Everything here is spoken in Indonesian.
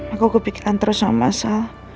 aku kepikiran terus sama mas al